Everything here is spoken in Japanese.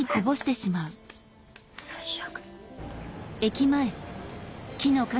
最悪。